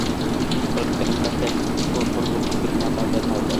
College ক্যাম্পাসে একপক্ষ অপর পক্ষকে ধাওয়া পাল্টা ধাওয়া করে।